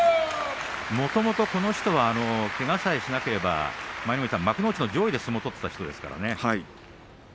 もともと豊山はけがさえしなければ幕内の上位で相撲を取っていた人ですからね。